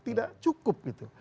tidak cukup gitu